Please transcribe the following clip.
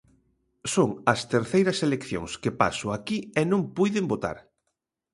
Son as terceiras eleccións que paso aquí e non puiden votar.